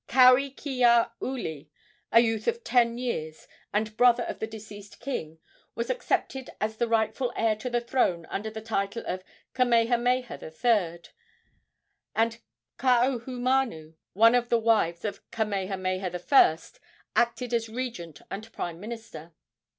Kauikeaouli, a youth of ten years, and brother of the deceased king, was accepted as the rightful heir to the throne under the title of Kamehameha III., and Kaahumanu, one of the wives of Kamehameha I., acted as regent and prime minister.